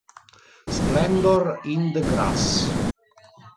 Splendor in the Grass